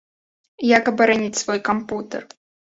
Як абараніць свой кампутар?